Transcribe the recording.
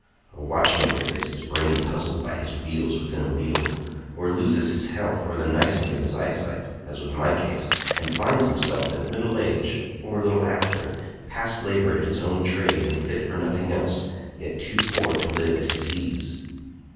A watchmaker gets his brain puzzled by his wheels within a wheel, or loses his health or the nicety of his eyesight, as was my case, and finds himself at middle age, or a little after, past labor at his own trade and fit for nothing else, yet too poor to live at his ease.